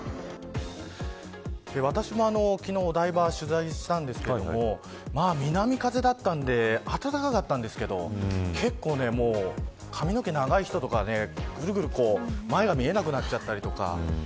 私も昨日お台場を取材したんですが南風だったので暖かかったんですけど結構髪の毛長い人とかはぐるぐる前が見えなくなっちゃったりとか。